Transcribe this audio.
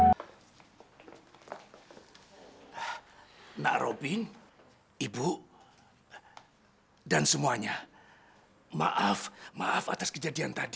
tidak dikasih jaringan diri amat maju kotor